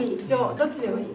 どっちでもいい？